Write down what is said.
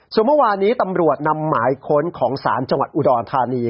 ส่วนเมื่อวานี้ตำรวจนำหมายค้นของศาลจังหวัดอุดรธานี